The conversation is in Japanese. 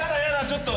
ちょっと。